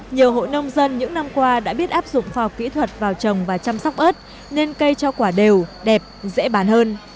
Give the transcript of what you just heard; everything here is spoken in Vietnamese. nhiều hội nông dân những năm qua đã biết áp dụng phò kỹ thuật vào trồng và chăm sóc ớt nên cây cho quả đều đẹp dễ bán hơn